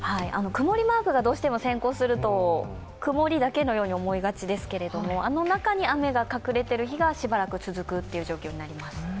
曇りマークがどうしても先行すると曇りだけのように思いがちですがあの中に雨が隠れている日がしばらく続くという状況になります。